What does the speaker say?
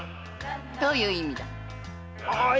どういう意味だい？